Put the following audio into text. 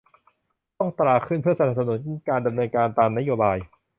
ต้องตราขึ้นเพื่อสนับสนุนการดำเนินการตามนโยบาย